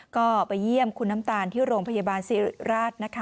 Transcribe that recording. ก็ไปเยี่ยมคุณน้ำตาลที่โรงพยาบาลสิริราชนะคะ